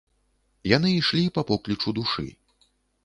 Яны ішлі па поклічу душы.